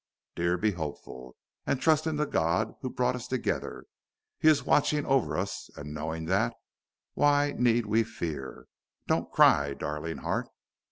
Dear, be hopeful, and trust in the God who brought us together. He is watching over us, and, knowing that, why need we fear? Don't cry, darling heart."